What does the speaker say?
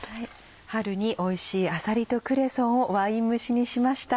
春においしいあさりとクレソンをワイン蒸しにしました。